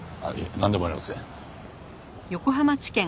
なんでもありません。